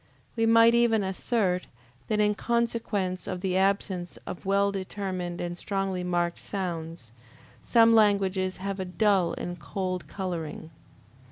We might even assert, that in consequence of the absence of well determined and strongly marked sounds, some languages have a dull and cold coloring.